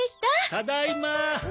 ただいまー。